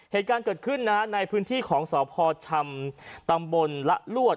เหตุการณ์เกิดขึ้นนะฮะในพื้นที่ของสพชำตำบลละลวด